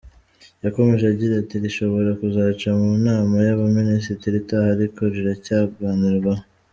Yakomeje agira ati “Rishobora kuzaca mu nama y’abaminisitiri itaha ariko riracyaganirwaho